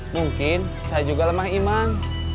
mungkin saya juga lemah iman